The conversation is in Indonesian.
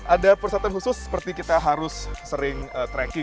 ada persatuan khusus seperti kita harus sering trek